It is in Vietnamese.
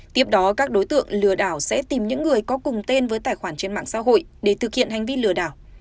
tiếp đó các đối tượng lừa đảo sẽ tìm những người có cùng tên với tài khoản trên mạng xã hội để thực hiện hành vi lừa đảo